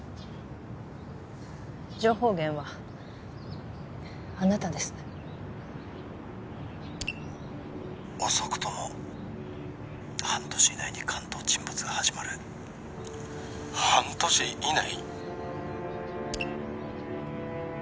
情報源はあなたです遅くとも半年以内に関東沈没が始まる半年以内？